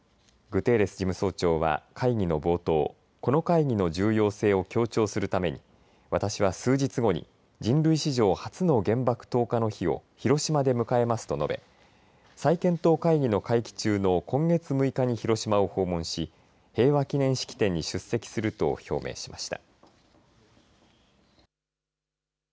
グテーレス事務総長は会議の冒頭この会議の重要性を強調するために私は数日後に人類史上、初の原爆投下の日を広島で迎えますと述べ再検討会議の会期中の今月６日に広島を訪問し平和記念式典に出席すると表明しました。